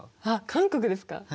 あっ韓国ですか。